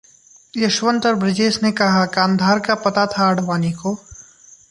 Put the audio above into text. यशवंत और ब्रजेश ने कहा, कांधार का पता था आडवाणी को